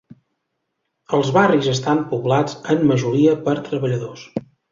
Els barris estan poblats en majoria per treballadors.